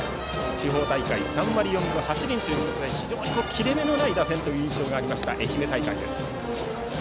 地方大会３割４分８厘で非常に切れ目のない打線という印象がありました、愛媛大会。